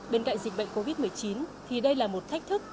bên cạnh dịch bệnh covid một mươi chín thì đây là một thách thức